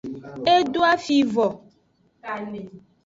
E doa fi vo.